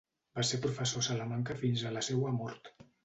Va ser professor a Salamanca fins a la seua mort.